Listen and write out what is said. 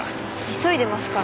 急いでますから。